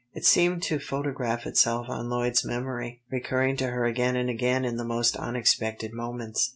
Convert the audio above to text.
It seemed to photograph itself on Lloyd's memory, recurring to her again and again in the most unexpected moments.